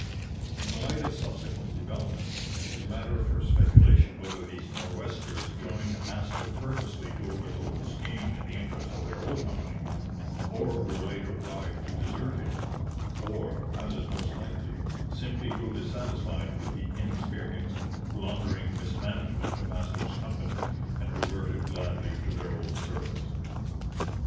In the light of subsequent developments, it is a matter for speculation whether these Nor'westers joined Astor purposely to overthrow his scheme in the interests of their old company; or were later bribed to desert him; or, as is most likely, simply grew dissatisfied with the inexperienced, blundering mismanagement of Astor's company, and reverted gladly to their old service.